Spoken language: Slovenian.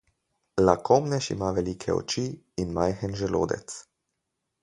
Lakomnež ima velike oči in majhen želodec.